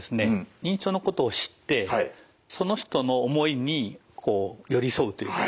認知症のことを知ってその人の思いにこう寄り添うというか理解すると。